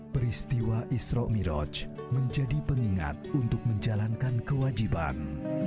peristiwa isro' miroj menjadi pengingat untuk menjalankan kewajiban